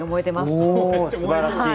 おおすばらしい！